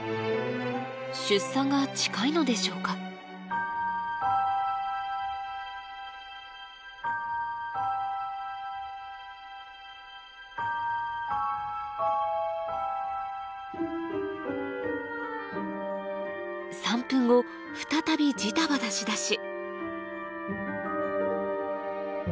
出産が近いのでしょうか３分後再びジタバタしだし